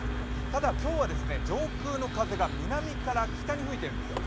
ただ、今日は上空の風が南から北に吹いてるんですよ。